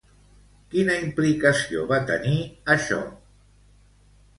Quina implicació va tenir, això?